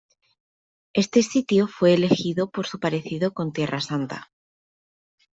Este sitio fue elegido por su parecido con Tierra Santa.